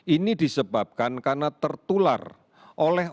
ini disebabkan karena tertular oleh orang dewasa yang memiliki mobilisasi